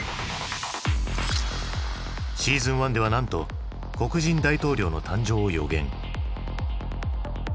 シーズン１ではなんと黒人大統領の誕生を予言。